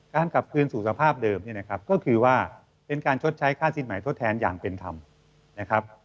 กลับคืนสู่สภาพเดิมเนี่ยนะครับก็คือว่าเป็นการชดใช้ค่าสินใหม่ทดแทนอย่างเป็นธรรมนะครับ